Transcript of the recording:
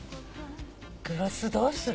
グロスどうする？